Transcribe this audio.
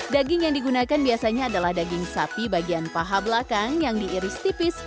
daging yang digunakan biasanya adalah daging sapi bagian paha belakang yang diiris tipis